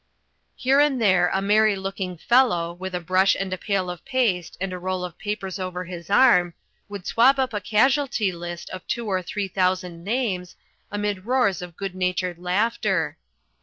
Here and there a merry looking fellow, with a brush and a pail of paste and a roll of papers over his arm, would swab up a casualty list of two or three thousand names, amid roars of good natured laughter.